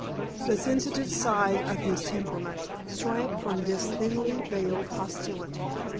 The sensitive side of his temperament shrank from this thinly veiled hostility.